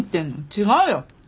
違うよ。